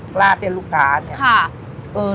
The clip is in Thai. กล้าเตี๊ยวลูกค้าเนี่ย